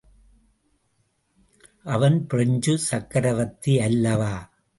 அவன், பிரெஞ்சு சக்கரவர்த்தி அல்லவா?